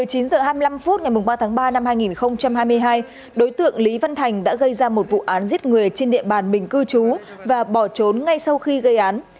hồi chín h hai mươi năm phút ngày ba tháng ba năm hai nghìn hai mươi hai đối tượng lý văn thành đã gây ra một vụ án giết người trên địa bàn mình cư trú và bỏ trốn ngay sau khi gây án